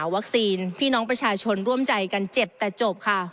พี่น้องประชาชนร่วมใจกันเจ็บแต่จบค่ะ